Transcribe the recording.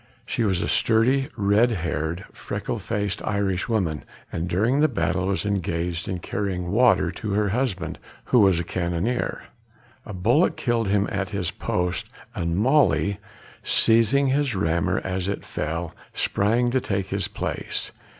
She was a sturdy, red haired, freckle faced Irishwoman, and during the battle was engaged in carrying water to her husband, who was a cannoneer. A bullet killed him at his post and Molly, seizing his rammer as it fell, sprang to take his place.